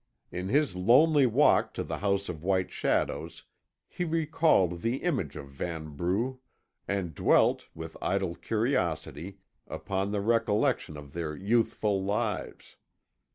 In his lonely walk to the House of White Shadows he recalled the image of Vanbrugh, and dwelt, with idle curiosity, upon the recollection of their youthful lives.